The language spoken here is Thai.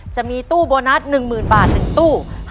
จะมีตู้โบนัส๑๐๐๐บาท๑ตู้